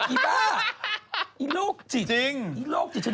อีบ้าอีโลกจิตอีโลกจิตชะเบียงเลยจริง